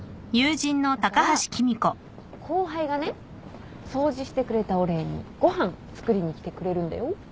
だから後輩がね掃除してくれたお礼にご飯作りに来てくれるんだよ。